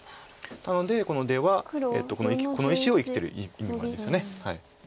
なのでこの出はこの石を生きてる意味もあるんですよね。